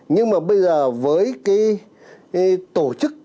nhưng mà bây giờ với cái tổ chức